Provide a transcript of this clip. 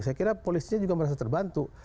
saya kira polisinya juga merasa terbantu